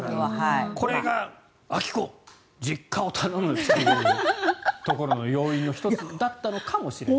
これが明子、実家を頼む！というところの要因の１つだったのかもしれない。